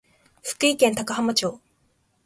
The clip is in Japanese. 福井県高浜町